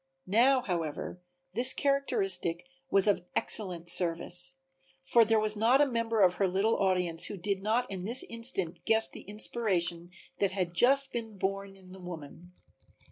Now, however, this characteristic was of excellent service, for there was not a member of her little audience who did not in this instant guess the inspiration that had just been born in the woman.